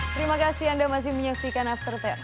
terima kasih anda masih menyaksikan after sepuluh